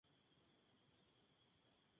Pero no hay avances en la solución del conflicto.